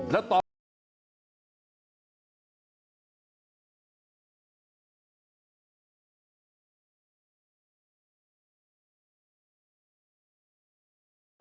แล้วต่อมา